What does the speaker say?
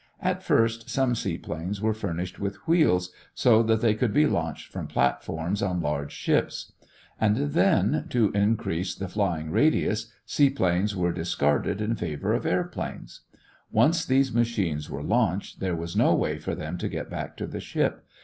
At first some seaplanes were furnished with wheels, so that they could be launched from platforms on large ships; and then, to increase the flying radius, seaplanes were discarded in favor of airplanes. Once these machines were launched, there was no way for them to get back to the ship.